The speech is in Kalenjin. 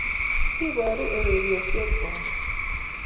Kiboru ureriosiek karon